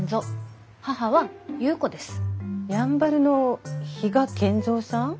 やんばるの比嘉賢三さん？